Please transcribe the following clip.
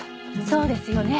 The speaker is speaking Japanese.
そうですよね？